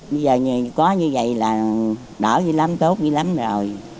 bây giờ có như vậy là đỡ như lắm tốt như lắm rồi